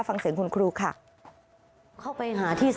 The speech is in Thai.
ฟังเสียงคุณครูค่ะ